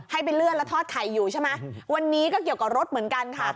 ให้ไปเลื่อนแล้วทอดไข่อยู่ใช่ไหมวันนี้ก็เกี่ยวกับรถเหมือนกันค่ะ